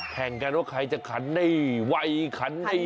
แข่งกันว่าใครจะขันได้ไวขันได้